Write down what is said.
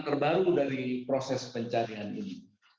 terbaru dari proses pencarian ini